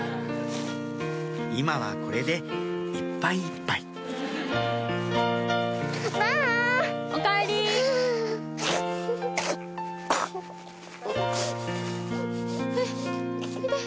今はこれでいっぱいいっぱいおいで。